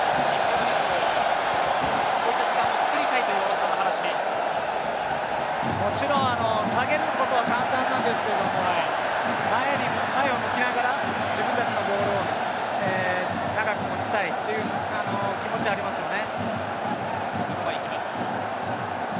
中盤を下げることは簡単なんですけれども前を向きながら自分たちのボールを長く持ちたいという気持ちはありますよね。